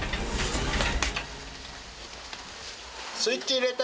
スイッチ入れて。